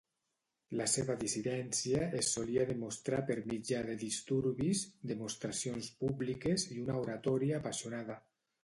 La seva dissidència es solia demostrar per mitjà de disturbis, demostracions públiques i una oratòria apassionada.